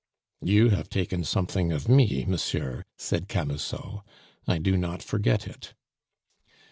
"You have taken something of me, monsieur," said Camusot; "I do not forget it."